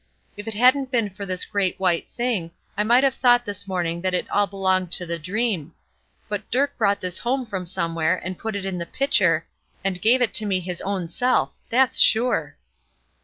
If it hadn't been for this great white thing I might have thought this morning that it all belonged to the dream. But Dirk brought this home from somewhere, and put it in the pitcher, and give it to me his own self; that's sure."